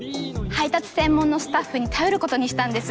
配達専門のスタッフに頼ることにしたんです。